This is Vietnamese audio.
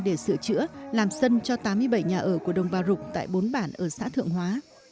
để sửa chữa làm sân cho tám mươi bảy nhà ở của đồng bào rục tại bốn bản ở xã thượng hóa